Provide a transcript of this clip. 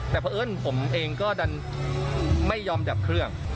แต่เพราะเอิ้นผมเองก็ดันไม่ยอมดับเครื่อง